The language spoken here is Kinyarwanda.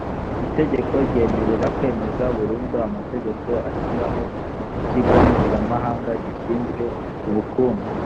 itegeko ryemerera kwemeza burundu amategeko ashyiraho ikigo mpuzamahanga gishinzwe ubukungu